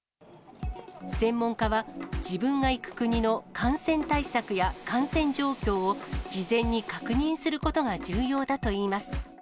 専門家は、自分が行く国の感染対策や感染状況を、事前に確認することが重要だといいます。